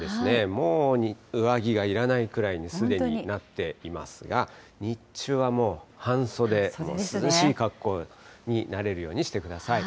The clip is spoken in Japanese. もう上着がいらないくらいにすでになっていますが、日中はもう、半袖、涼しい格好になれるようにしてください。